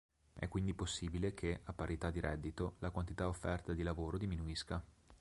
È quindi possibile che, a parità di reddito, la quantità offerta di lavoro diminuisca.